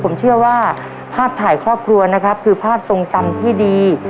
ผมเชื่อว่าภาพถ่ายครอบครัวนะครับคือภาพทรงจำที่ดี